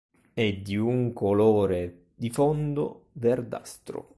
È di un colore di fondo verdastro.